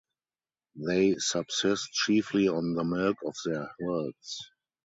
They subsist chiefly on the milk of their herds.